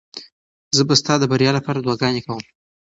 زه به ستا د بریا لپاره دعاګانې کوم.